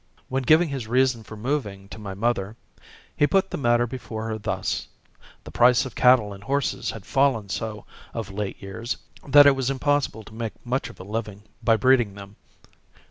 When giving his reason for moving to my mother, he put the matter before her thus: The price of cattle and horses had fallen so of late years that it was impossible to make much of a living by breeding them.